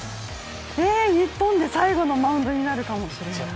日本で最後のマウンドになるかもしれない？